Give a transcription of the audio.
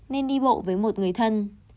nên đi bộ với một người thân